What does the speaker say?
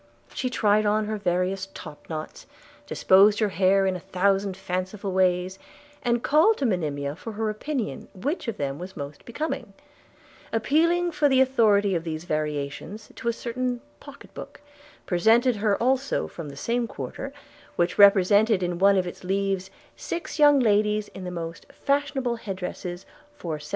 She tried on her various topknots, disposed her hair in a thousand fanciful ways, and called to Monimia for her opinion, which of them was most becoming; appealing for the authority of these variations to a certain pocket book, presented her also from the same quarter, which represented in one of its leaves 'six young ladies in the most fashionable head dresses for 1776.'